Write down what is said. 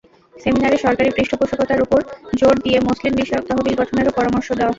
সেমিনারে সরকারি পৃষ্ঠপোষকতার ওপর জোর দিয়ে মসলিন বিষয়ক তহবিল গঠনেরও পরামর্শ দেওয়া হয়।